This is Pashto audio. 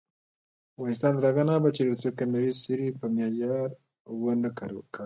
افغانستان تر هغو نه ابادیږي، ترڅو کیمیاوي سرې په معیار ونه کارول شي.